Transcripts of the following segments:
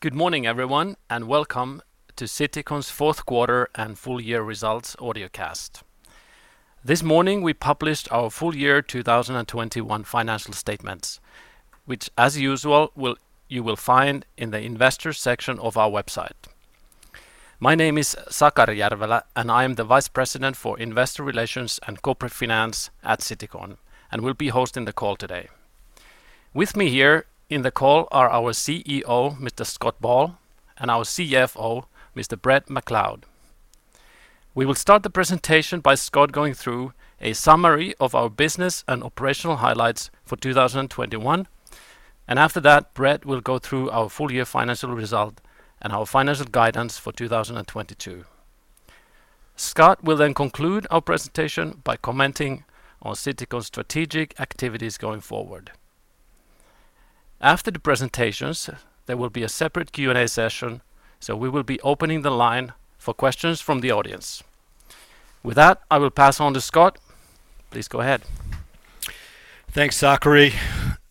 Good morning, everyone, and welcome to Citycon's Q4 and full year results audiocast. This morning, we published our full year 2021 financial statements, which as usual, you will find in the investor section of our website. My name is Sakari Järvelä, and I am the Vice President for Investor Relations and Corporate Finance at Citycon, and will be hosting the call today. With me here in the call are our CEO, Mr. Scott Ball, and our CFO, Mr. Bret McLeod. We will start the presentation by Scott going through a summary of our business and operational highlights for 2021, and after that, Bret will go through our full year financial result and our financial guidance for 2022. Scott will then conclude our presentation by commenting on Citycon's strategic activities going forward. After the presentations, there will be a separate Q&A session, so we will be opening the line for questions from the audience. With that, I will pass on to Scott. Please go ahead. Thanks, Sakari.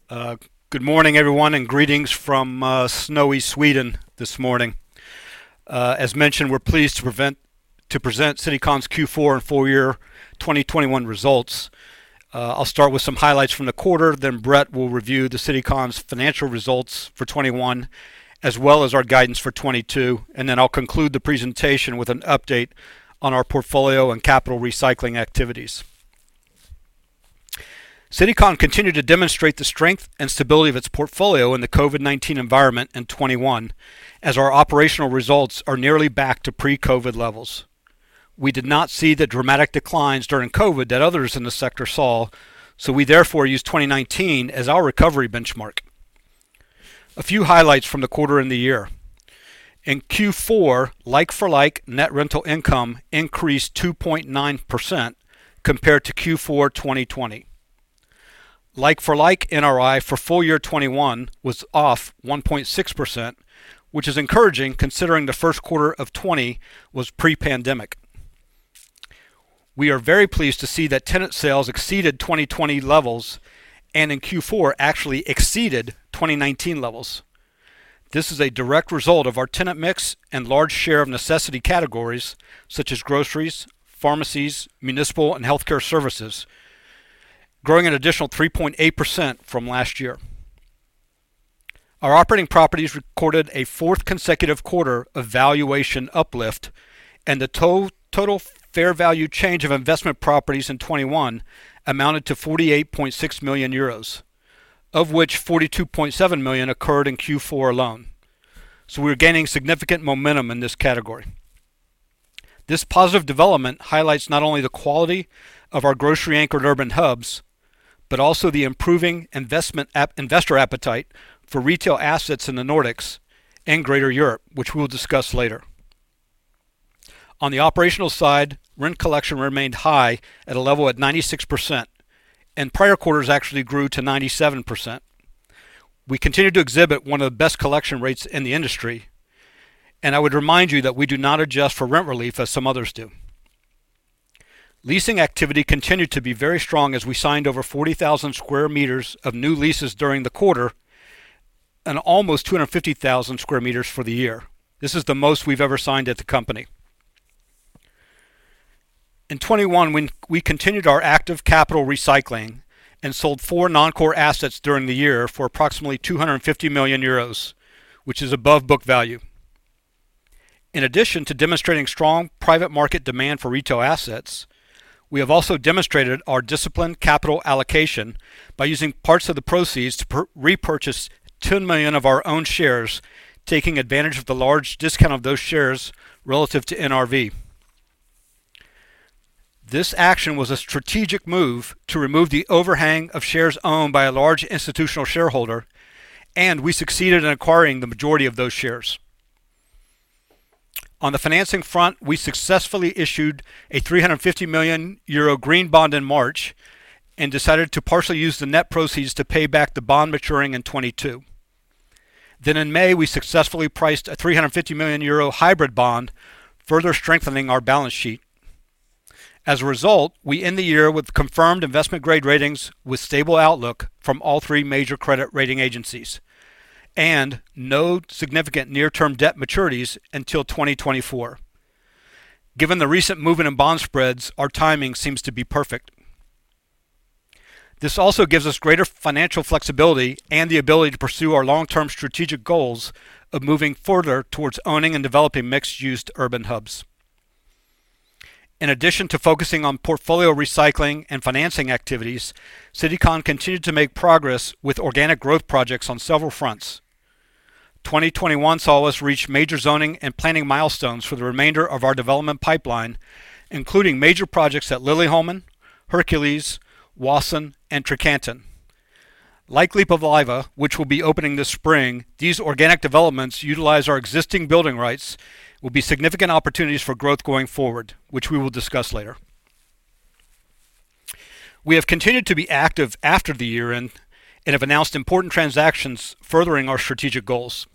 Good morning, everyone, and greetings from snowy Sweden this morning. As mentioned, we're pleased to present Citycon's Q4 and full year 2021 results. I'll start with some highlights from the quarter, then Bret will review Citycon's financial results for 2021 as well as our guidance for 2022, and then I'll conclude the presentation with an update on our portfolio and capital recycling activities. Citycon continued to demonstrate the strength and stability of its portfolio in the COVID-19 environment in 2021, as our operational results are nearly back to pre-COVID levels. We did not see the dramatic declines during COVID that others in the sector saw, so we therefore use 2019 as our recovery benchmark. A few highlights from the quarter and the year. In Q4, like-for-like net rental income increased 2.9% compared to Q4 2020. Like-for-like NRI for full year 2021 was off 1.6%, which is encouraging considering the Q1 of 2020 was pre-pandemic. We are very pleased to see that tenant sales exceeded 2020 levels, and in Q4 actually exceeded 2019 levels. This is a direct result of our tenant mix and large share of necessity categories, such as groceries, pharmacies, municipal, and healthcare services, growing an additional 3.8% from last year. Our operating properties recorded a fourth consecutive quarter of valuation uplift, and the total fair value change of investment properties in 2021 amounted to 48.6 million euros, of which 42.7 million occurred in Q4 alone. We are gaining significant momentum in this category. This positive development highlights not only the quality of our grocery-anchored urban hubs, but also the improving investor appetite for retail assets in the Nordics and greater Europe, which we'll discuss later. On the operational side, rent collection remained high at 96%, and in prior quarters actually grew to 97%. We continue to exhibit one of the best collection rates in the industry, and I would remind you that we do not adjust for rent relief as some others do. Leasing activity continued to be very strong as we signed over 40,000 sq m of new leases during the quarter and almost 250,000 sq m for the year. This is the most we've ever signed at the company. In 2021, when we continued our active capital recycling and sold four non-core assets during the year for approximately 250 million euros, which is above book value. In addition to demonstrating strong private market demand for retail assets, we have also demonstrated our disciplined capital allocation by using parts of the proceeds to repurchase 10 million of our own shares, taking advantage of the large discount of those shares relative to NRV. This action was a strategic move to remove the overhang of shares owned by a large institutional shareholder, and we succeeded in acquiring the majority of those shares. On the financing front, we successfully issued a 350 million euro green bond in March and decided to partially use the net proceeds to pay back the bond maturing in 2022. In May, we successfully priced a 350 million euro hybrid bond, further strengthening our balance sheet. As a result, we end the year with confirmed investment-grade ratings with stable outlook from all three major credit rating agencies and no significant near-term debt maturities until 2024. Given the recent movement in bond spreads, our timing seems to be perfect. This also gives us greater financial flexibility and the ability to pursue our long-term strategic goals of moving further towards owning and developing mixed-use urban hubs. In addition to focusing on portfolio recycling and financing activities, Citycon continued to make progress with organic growth projects on several fronts. 2021 saw us reach major zoning and planning milestones for the remainder of our development pipeline, including major projects at Liljeholmen, Hercules, Myyrmanni, and Trekanten. Like Lippulaiva, which will be opening this spring, these organic developments utilize our existing building rights will be significant opportunities for growth going forward, which we will discuss later. We have continued to be active after the year-end and have announced important transactions furthering our strategic goals.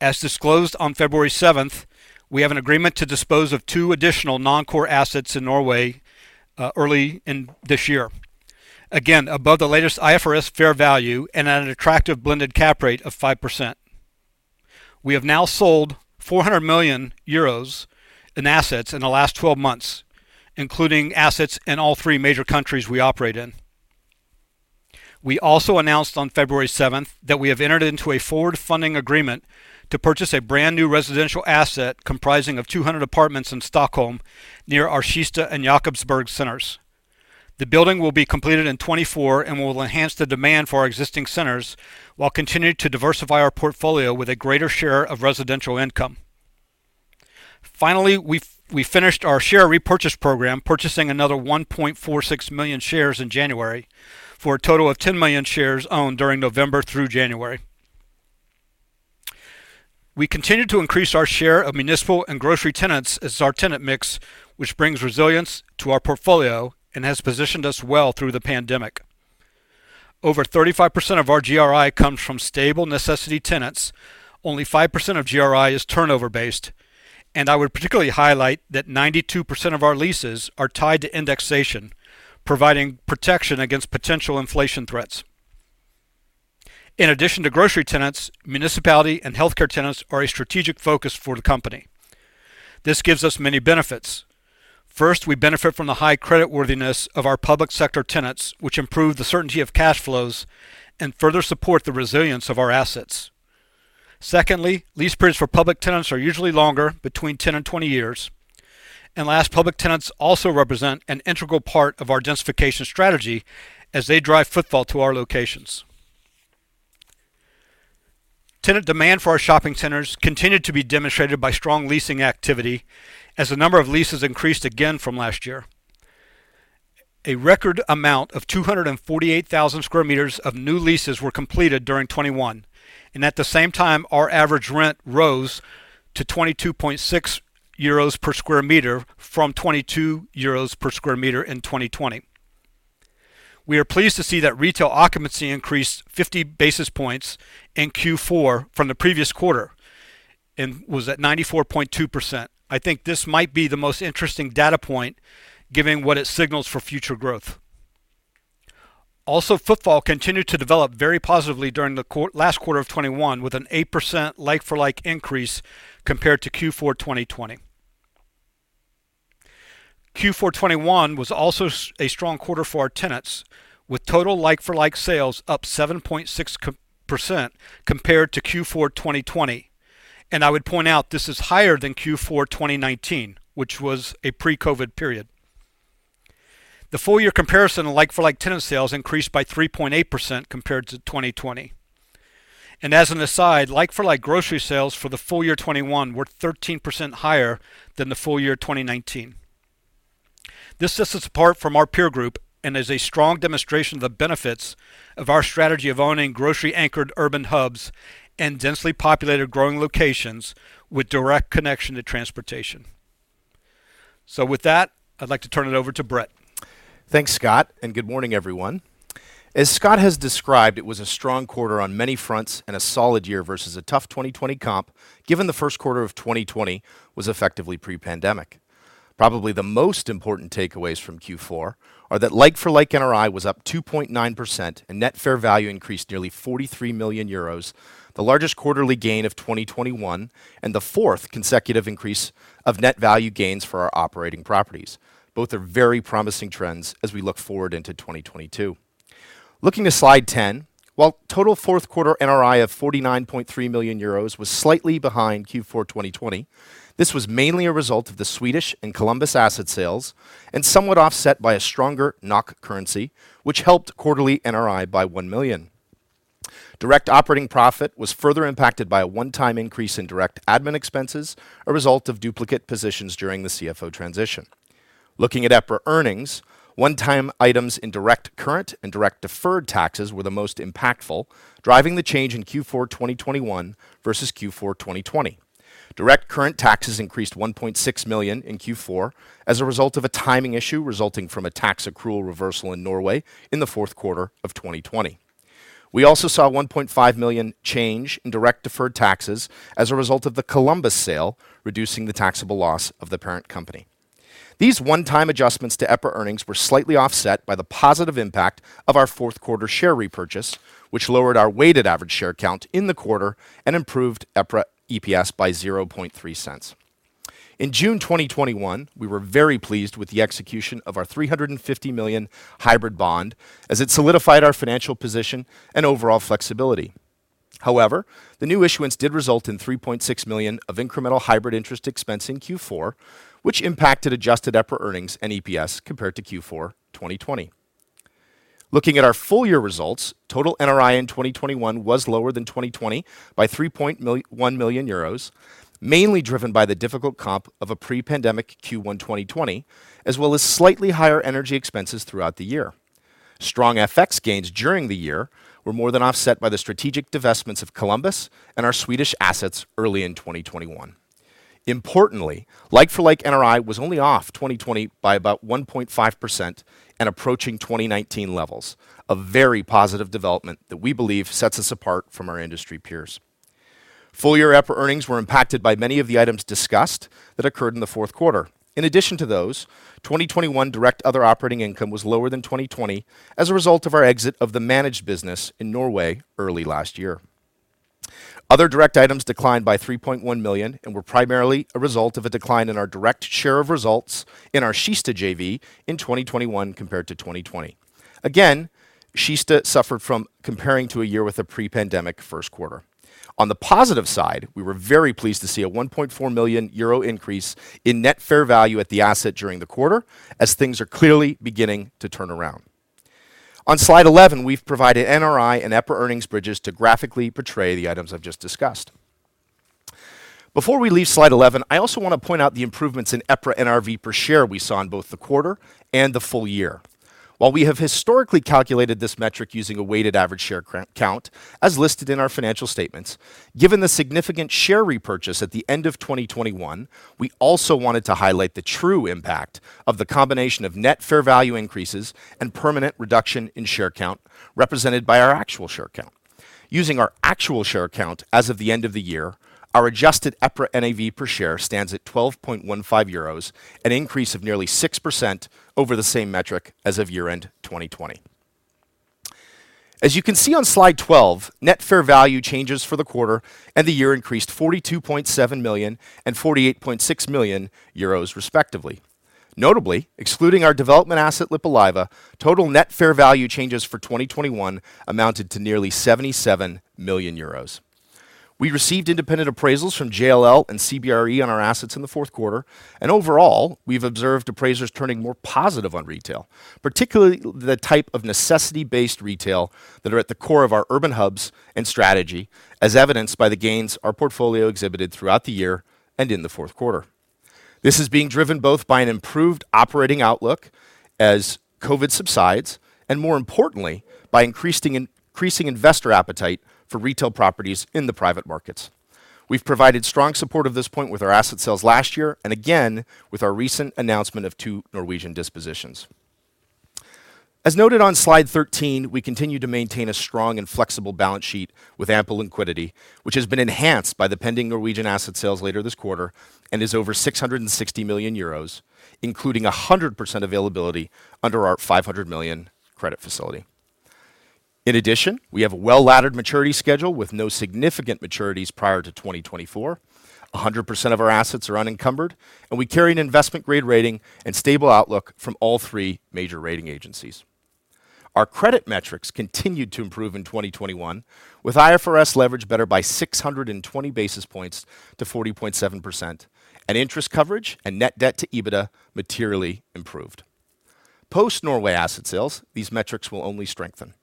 As disclosed on February seventh, we have an agreement to dispose of two additional non-core assets in Norway early in this year. Again, above the latest IFRS fair value and at an attractive blended cap rate of 5%. We have now sold 400 million euros in assets in the last 12 months, including assets in all three major countries we operate in. We also announced on February seventh that we have entered into a forward funding agreement to purchase a brand-new residential asset comprising 200 apartments in Stockholm near our Kista and Jakobsberg centers. The building will be completed in 2024 and will enhance the demand for our existing centers while continuing to diversify our portfolio with a greater share of residential income. We finished our share repurchase program, purchasing another 1.46 million shares in January for a total of 10 million shares owned during November through January. We continued to increase our share of municipal and grocery tenants as our tenant mix, which brings resilience to our portfolio and has positioned us well through the pandemic. Over 35% of our GRI comes from stable necessity tenants. Only 5% of GRI is turnover-based, and I would particularly highlight that 92% of our leases are tied to indexation, providing protection against potential inflation threats. In addition to grocery tenants, municipality and healthcare tenants are a strategic focus for the company. This gives us many benefits. First, we benefit from the high creditworthiness of our public sector tenants, which improve the certainty of cash flows and further support the resilience of our assets. Secondly, lease periods for public tenants are usually longer, between 10-20 years. Last, public tenants also represent an integral part of our densification strategy as they drive footfall to our locations. Tenant demand for our shopping centers continued to be demonstrated by strong leasing activity as the number of leases increased again from last year. A record amount of 248,000 sq m of new leases were completed during 2021, and at the same time, our average rent rose to 22.6 EUR/sq m from 22 EUR/sq m in 2020. We are pleased to see that retail occupancy increased 50 basis points in Q4 from the previous quarter and was at 94.2%. I think this might be the most interesting data point given what it signals for future growth. Also, footfall continued to develop very positively during the last quarter of 2021 with an 8% like-for-like increase compared to Q4 2020. Q4 2021 was also a strong quarter for our tenants, with total like-for-like sales up 7.6% compared to Q4 2020. I would point out this is higher than Q4 2019, which was a pre-COVID period. The full year comparison like-for-like tenant sales increased by 3.8% compared to 2020. As an aside, like-for-like grocery sales for the full year 2021 were 13% higher than the full year 2019. This is the support from our peer group and is a strong demonstration of the benefits of our strategy of owning grocery anchored urban hubs in densely populated growing locations with direct connection to transportation. With that, I'd like to turn it over to Bret. Thanks, Scott, and good morning, everyone. As Scott has described, it was a strong quarter on many fronts and a solid year versus a tough 2020 comp, given the Q1 of 2020 was effectively pre-pandemic. Probably the most important takeaways from Q4 are that like-for-like NRI was up 2.9% and net fair value increased nearly 43 million euros, the largest quarterly gain of 2021, and the fourth consecutive increase of net value gains for our operating properties. Both are very promising trends as we look forward into 2022. Looking to slide 10, while total Q4 NRI of 49.3 million euros was slightly behind Q4 2020, this was mainly a result of the Swedish and Columbus asset sales and somewhat offset by a stronger NOK currency, which helped quarterly NRI by 1 million. Direct operating profit was further impacted by a one-time increase in direct admin expenses, a result of duplicate positions during the CFO transition. Looking at EPRA Earnings, one-time items in direct current and direct deferred taxes were the most impactful, driving the change in Q4 2021 versus Q4 2020. Direct current taxes increased 1.6 million in Q4 as a result of a timing issue resulting from a tax accrual reversal in Norway in the Q4 of 2020. We also saw 1.5 million change in direct deferred taxes as a result of the Columbus sale, reducing the taxable loss of the parent company. These one-time adjustments to EPRA Earnings were slightly offset by the positive impact of our Q4 share repurchase, which lowered our weighted average share count in the quarter and improved EPRA EPS by 0.003. In June 2021, we were very pleased with the execution of our 350 million hybrid bond as it solidified our financial position and overall flexibility. However, the new issuance did result in 3.6 million of incremental hybrid interest expense in Q4, which impacted adjusted EPRA earnings and EPS compared to Q4 2020. Looking at our full year results, total NRI in 2021 was lower than 2020 by 1 million euros, mainly driven by the difficult comp of a pre-pandemic Q1 2020, as well as slightly higher energy expenses throughout the year. Strong FX gains during the year were more than offset by the strategic divestments of Columbus and our Swedish assets early in 2021. Importantly, like-for-like NRI was only off 2020 by about 1.5% and approaching 2019 levels. A very positive development that we believe sets us apart from our industry peers. Full year EPRA earnings were impacted by many of the items discussed that occurred in the Q4. In addition to those, 2021 direct other operating income was lower than 2020 as a result of our exit of the managed business in Norway early last year. Other direct items declined by 3.1 million and were primarily a result of a decline in our direct share of results in our Kista JV in 2021 compared to 2020. Again, Kista suffered from comparing to a year with a pre-pandemic Q1. On the positive side, we were very pleased to see a 1.4 million euro increase in net fair value at the asset during the quarter as things are clearly beginning to turn around. On slide 11, we've provided NRI and EPRA earnings bridges to graphically portray the items I've just discussed. Before we leave slide 11, I also want to point out the improvements in EPRA NRV per share we saw in both the quarter and the full year. While we have historically calculated this metric using a weighted average share count as listed in our financial statements, given the significant share repurchase at the end of 2021, we also wanted to highlight the true impact of the combination of net fair value increases and permanent reduction in share count represented by our actual share count. Using our actual share count as of the end of the year, our adjusted EPRA NAV per share stands at 12.15 euros, an increase of nearly 6% over the same metric as of year-end 2020. As you can see on slide 12, net fair value changes for the quarter and the year increased 42.7 million and 48.6 million euros respectively. Notably, excluding our development asset Lippulaiva, total net fair value changes for 2021 amounted to nearly 77 million euros. We received independent appraisals from JLL and CBRE on our assets in the Q4, and overall, we've observed appraisers turning more positive on retail, particularly the type of necessity-based retail that are at the core of our urban hubs and strategy, as evidenced by the gains our portfolio exhibited throughout the year and in the Q4. This is being driven both by an improved operating outlook as COVID subsides, and more importantly, by increasing investor appetite for retail properties in the private markets. We've provided strong support of this point with our asset sales last year and again with our recent announcement of two Norwegian dispositions. As noted on slide 13, we continue to maintain a strong and flexible balance sheet with ample liquidity, which has been enhanced by the pending Norwegian asset sales later this quarter and is over 660 million euros, including 100% availability under our 500 million credit facility. In addition, we have a well-laddered maturity schedule with no significant maturities prior to 2024. 100% of our assets are unencumbered, and we carry an investment grade rating and stable outlook from all three major rating agencies. Our credit metrics continued to improve in 2021, with IFRS leverage better by 620 basis points to 40.7%, and interest coverage and net debt to EBITDA materially improved. Post Norway asset sales, these metrics will only strengthen.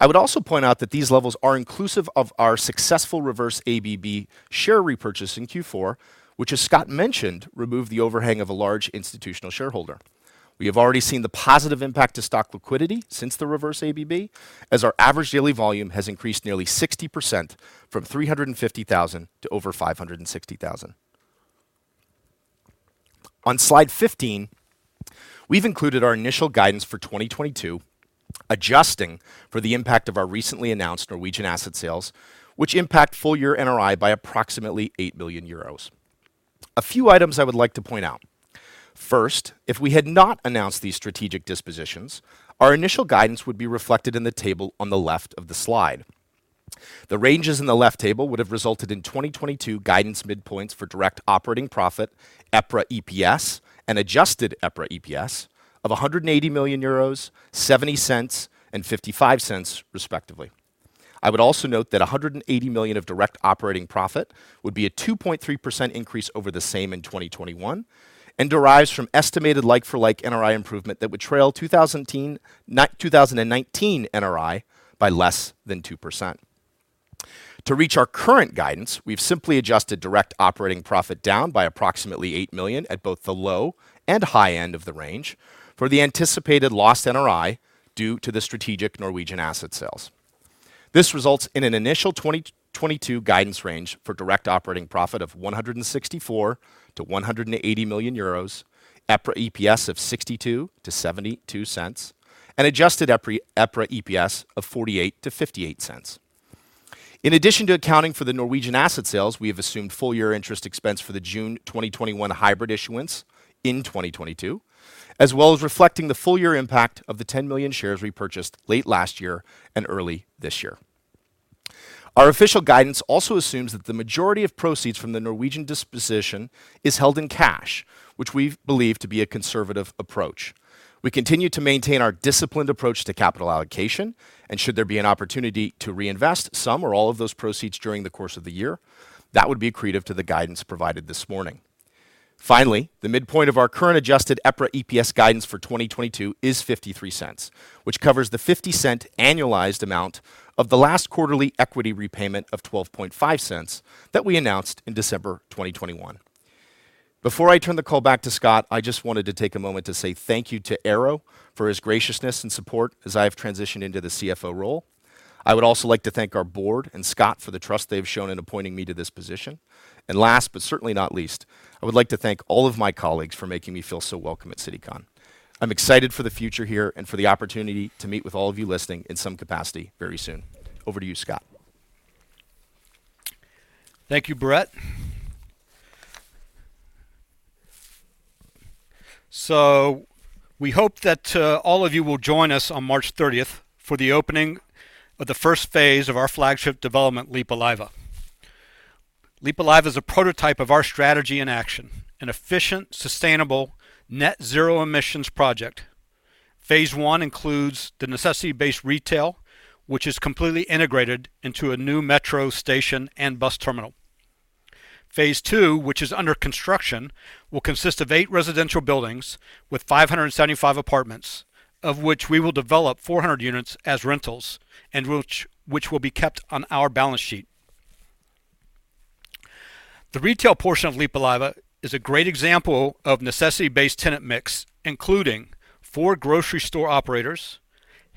I would also point out that these levels are inclusive of our successful Reverse ABB share repurchase in Q4, which as Scott mentioned, removed the overhang of a large institutional shareholder. We have already seen the positive impact to stock liquidity since the Reverse ABB, as our average daily volume has increased nearly 60% from 350,000 to over 560,000. On slide 15, we've included our initial guidance for 2022, adjusting for the impact of our recently announced Norwegian asset sales, which impact full year NRI by approximately 8 million euros. A few items I would like to point out. First, if we had not announced these strategic dispositions, our initial guidance would be reflected in the table on the left of the slide. The ranges in the left table would have resulted in 2022 guidance midpoints for direct operating profit, EPRA EPS, and adjusted EPRA EPS of 180 million euros, 0.70, and 0.55 respectively. I would also note that 180 million of direct operating profit would be a 2.3% increase over the same in 2021 and derives from estimated like-for-like NRI improvement that would trail 2019 NRI by less than 2%. To reach our current guidance, we've simply adjusted direct operating profit down by approximately 8 million at both the low and high end of the range for the anticipated lost NRI due to the strategic Norwegian asset sales. This results in an initial 2022 guidance range for direct operating profit of 164 million-180 million euros, EPRA EPS of 0.62-0.72, and adjusted EPRA EPS of 0.48-0.58. In addition to accounting for the Norwegian asset sales, we have assumed full year interest expense for the June 2021 hybrid issuance in 2022, as well as reflecting the full year impact of the 10 million shares repurchased late last year and early this year. Our official guidance also assumes that the majority of proceeds from the Norwegian disposition is held in cash, which we believe to be a conservative approach. We continue to maintain our disciplined approach to capital allocation, and should there be an opportunity to reinvest some or all of those proceeds during the course of the year, that would be accretive to the guidance provided this morning. Finally, the midpoint of our current adjusted EPRA EPS guidance for 2022 is 0.53, which covers the 0.50 annualized amount of the last quarterly equity repayment of 0.125 that we announced in December 2021. Before I turn the call back to Scott, I just wanted to take a moment to say thank you to Eero for his graciousness and support as I have transitioned into the CFO role. I would also like to thank our board and Scott for the trust they've shown in appointing me to this position. Last, but certainly not least, I would like to thank all of my colleagues for making me feel so welcome at Citycon. I'm excited for the future here and for the opportunity to meet with all of you listening in some capacity very soon. Over to you, Scott. Thank you, Bret. We hope that all of you will join us on March thirtieth for the opening of the first phase of our flagship development, Lippulaiva. Lippulaiva is a prototype of our strategy in action, an efficient, sustainable net zero emissions project. Phase one includes the necessity-based retail, which is completely integrated into a new metro station and bus terminal. Phase two, which is under construction, will consist of eight residential buildings with 575 apartments, of which we will develop 400 units as rentals and which will be kept on our balance sheet. The retail portion of Lippulaiva is a great example of necessity-based tenant mix, including four grocery store operators,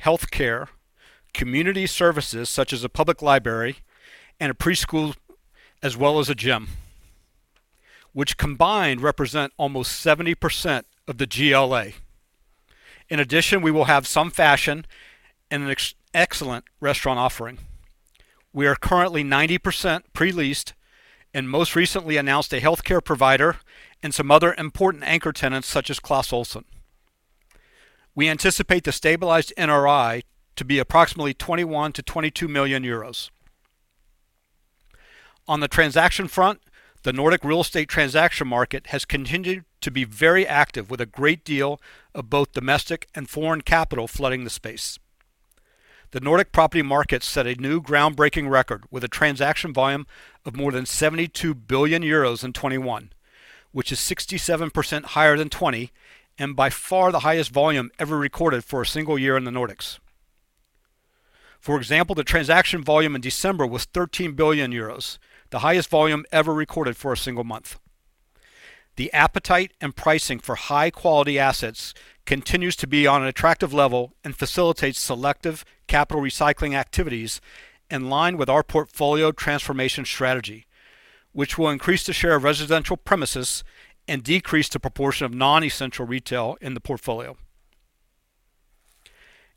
healthcare, community services such as a public library and a preschool, as well as a gym, which combined represent almost 70% of the GLA. In addition, we will have some fashion and an excellent restaurant offering. We are currently 90% pre-leased and most recently announced a healthcare provider and some other important anchor tenants such as Clas Ohlson. We anticipate the stabilized NRI to be approximately 21 million-22 million euros. On the transaction front, the Nordic real estate transaction market has continued to be very active with a great deal of both domestic and foreign capital flooding the space. The Nordic property market set a new groundbreaking record with a transaction volume of more than 72 billion euros in 2021, which is 67% higher than 2020 and by far the highest volume ever recorded for a single year in the Nordics. For example, the transaction volume in December was 13 billion euros, the highest volume ever recorded for a single month. The appetite and pricing for high quality assets continues to be on an attractive level and facilitates selective capital recycling activities in line with our portfolio transformation strategy, which will increase the share of residential premises and decrease the proportion of non-essential retail in the portfolio.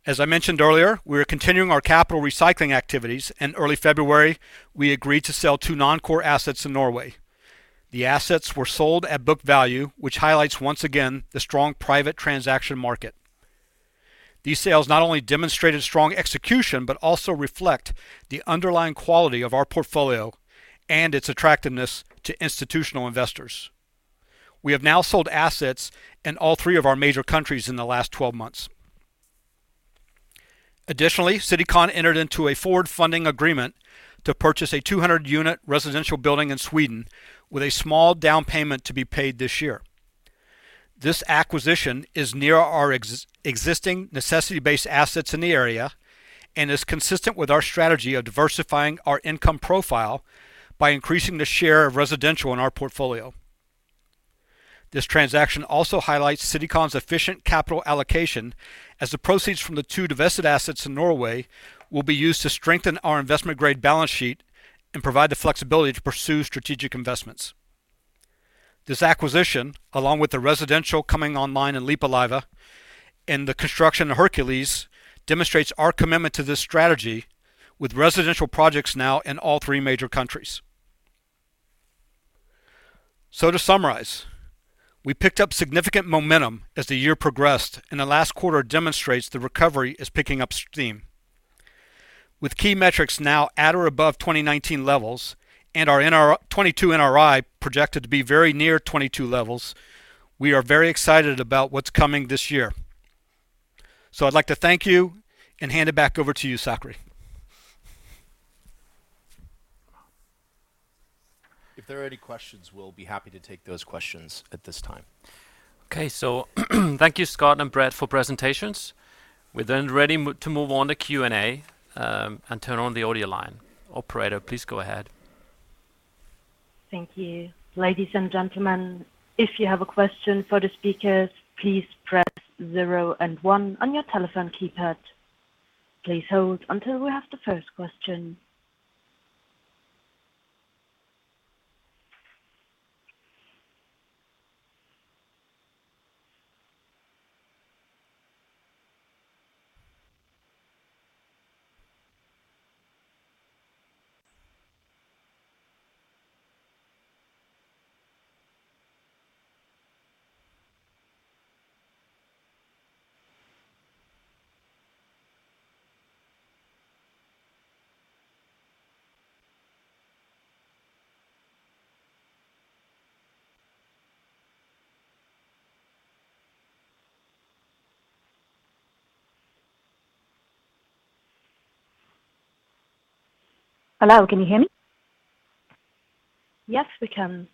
As I mentioned earlier, we are continuing our capital recycling activities. In early February, we agreed to sell two non-core assets in Norway. The assets were sold at book value, which highlights once again the strong private transaction market. These sales not only demonstrated strong execution, but also reflect the underlying quality of our portfolio and its attractiveness to institutional investors. We have now sold assets in all three of our major countries in the last 12 months. Additionally, Citycon entered into a forward funding agreement to purchase a 200-unit residential building in Sweden with a small down payment to be paid this year. This acquisition is near our existing necessity-based assets in the area and is consistent with our strategy of diversifying our income profile by increasing the share of residential in our portfolio. This transaction also highlights Citycon's efficient capital allocation as the proceeds from the two divested assets in Norway will be used to strengthen our investment grade balance sheet and provide the flexibility to pursue strategic investments. This acquisition, along with the residential coming online in Lippulaiva and the construction of Hercules, demonstrates our commitment to this strategy with residential projects now in all three major countries. To summarize, we picked up significant momentum as the year progressed, and the last quarter demonstrates the recovery is picking up steam. With key metrics now at or above 2019 levels and our 2022 NRI projected to be very near 2022 levels, we are very excited about what's coming this year. I'd like to thank you and hand it back over to you, Sakari Järvelä. If there are any questions, we'll be happy to take those questions at this time. Okay, thank you, Scott and Bret for presentations. We're then ready to move on to Q&A, and turn on the audio line. Operator, please go ahead. Thank you. Ladies and gentlemen, if you have a question for the speakers, please press 0 and 1 on your telephone keypad. Please hold until we have the first question. Hello, can you hear me? Yes, we can.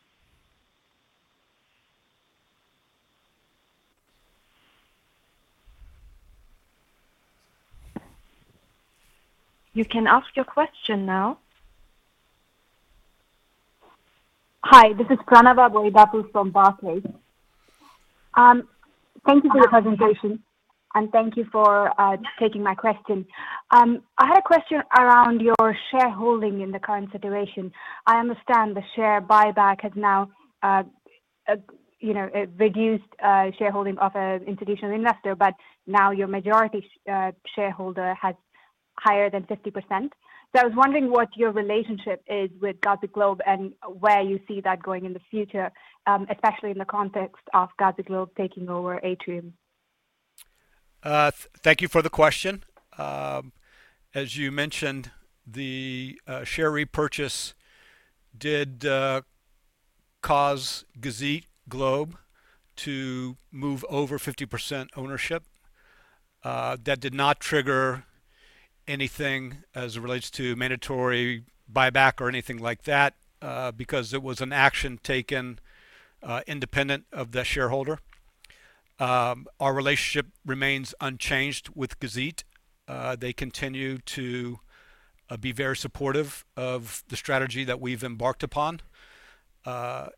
You can ask your question now. Hi, this is Pranav Mayidipudi from Barclays. Thank you for the presentation and thank you for taking my question. I had a question around your shareholding in the current situation. I understand the share buyback has now reduced shareholding of an institutional investor, but now your majority shareholder has higher than 50%. I was wondering what your relationship is with Gazit Globe and where you see that going in the future, especially in the context of Gazit Globe taking over Atrium. Thank you for the question. As you mentioned, the share repurchase did cause Gazit Globe to move over 50% ownership. That did not trigger anything as it relates to mandatory buyback or anything like that, because it was an action taken independent of the shareholder. Our relationship remains unchanged with Gazit. They continue to be very supportive of the strategy that we've embarked upon. We're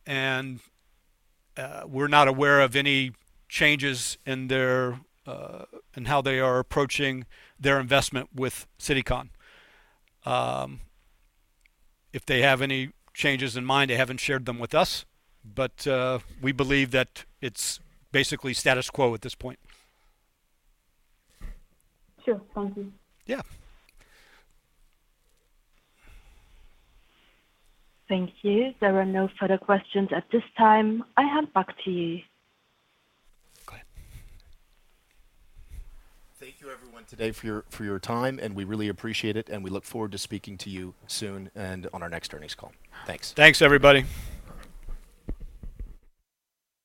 not aware of any changes in how they are approaching their investment with Citycon. If they have any changes in mind, they haven't shared them with us. We believe that it's basically status quo at this point. Sure. Thank you. Yeah. Thank you. There are no further questions at this time. I hand back to you. Go ahead. Thank you everyone today for your time, and we really appreciate it, and we look forward to speaking to you soon and on our next earnings call. Thanks. Thanks, everybody.